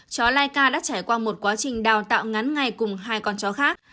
chó laika đã trải qua một quá trình đào tạo ngắn ngày cùng hai con chó khác